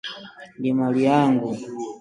Ni mali yangu